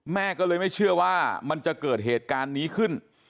แม่ก็เลยไม่เชื่อว่ามันจะเกิดเหตุการณ์นี้ขึ้น